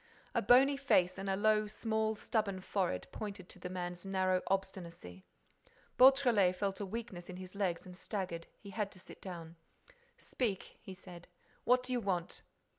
A bony face and a low, small stubborn forehead pointed to the man's narrow obstinacy. Beautrelet felt a weakness in the legs and staggered. He had to sit down: "Speak," he said. "What do you want?"